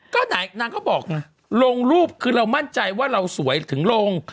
ก็ไหนก็บอกลงรูปขึ้นมั่นใจว่าเราสวยถึงลง